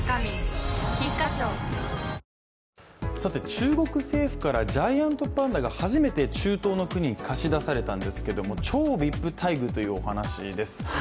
中国政府からジャイアントパンダが初めて中東の国に貸し出されたんですけれども超ＶＩＰ待遇というお話です。